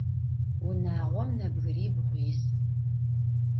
Vunağom nebgıribğu yis.